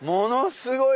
すごい！